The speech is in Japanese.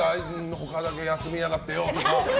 他だけ休みやがってようとか